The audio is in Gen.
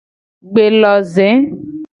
Gbeloze.